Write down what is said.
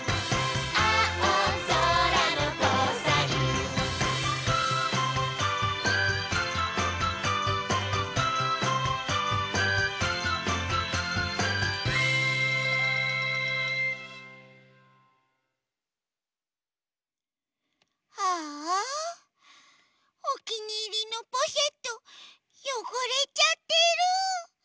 「青空のゴーサイン」ああおきにいりのポシェットよごれちゃってる。